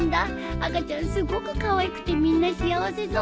赤ちゃんすごくかわいくてみんな幸せそう。